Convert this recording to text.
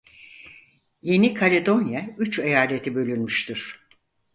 Yeni Kaledonya üç eyalete bölünmüştür.